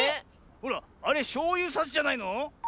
ほらあれしょうゆさしじゃないの？